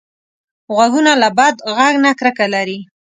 غوږونه له بد غږ نه کرکه لري